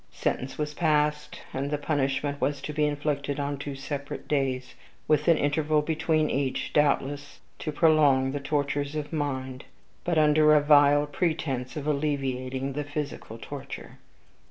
Sentence was passed, and the punishment was to be inflicted on two separate days, with an interval between each doubtless to prolong the tortures of mind, but under a vile pretense of alleviating the physical torture.